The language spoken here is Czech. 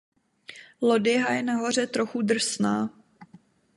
Lodyha je nahoře trochu drsná.